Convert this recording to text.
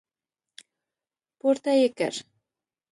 پورته يې کړ.